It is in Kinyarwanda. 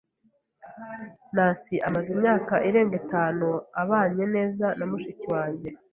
Nancy amaze imyaka irenga itanu abanye neza na mushiki wanjye.